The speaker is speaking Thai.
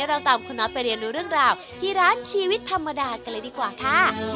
เราตามคุณน็อตไปเรียนรู้เรื่องราวที่ร้านชีวิตธรรมดากันเลยดีกว่าค่ะ